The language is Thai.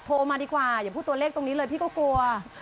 มาดีกว่าอย่าพูดตัวเลขตรงนี้เลยพี่ก็กลัว